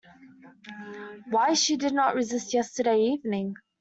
Why she did not resist yesterday evening?